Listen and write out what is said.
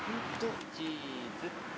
チーズ。